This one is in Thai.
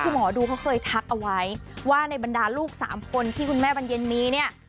คือหมอดูเขาเคยทักเอาไว้ว่าในบรรดาลูกสามคนที่คุณแม่บรรเย็นมีเนี่ย